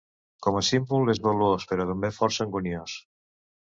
Com a símbol és valuós, però també força anguniós.